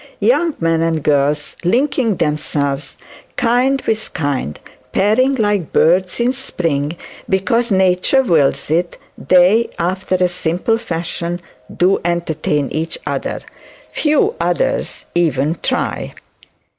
Young men and girls linking themselves kind with kind, pairing like birds in spring, because nature wills it, they, after a simple fashion, do entertain each other. Few others even try.